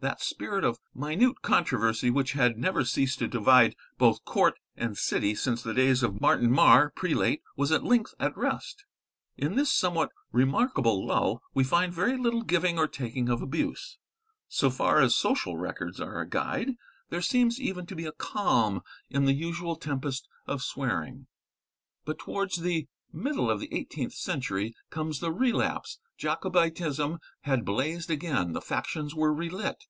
That spirit of minute controversy which had never ceased to divide both court and city since the days of Martin Mar prelate was at length at rest. In this somewhat remarkable lull we find very little giving or taking of abuse. So far as social records are a guide, there seems even to be a calm in the usual tempest of swearing. But towards the middle of the eighteenth century comes the relapse. Jacobitism had blazed again. The factions were relit.